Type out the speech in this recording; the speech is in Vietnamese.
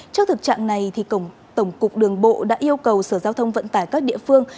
trước thực trạng này tổng cục đường bộ đã yêu cầu sở giao thông vận tải các địa phương